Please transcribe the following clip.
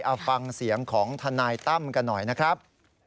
เอาฟังเสียงของทนายตั้มกันหน่อยนะครับ